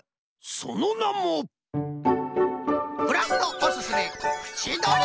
そのなもクラフトおすすめふちどり